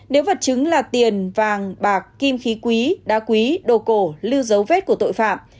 nếu vật chứng là tiền vàng bạc kim khí quý đá quý đồ cổ lưu dấu vết của tội phạm